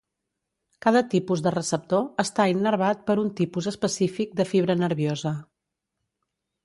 Cada tipus de receptor està innervat per un tipus específic de fibra nerviosa.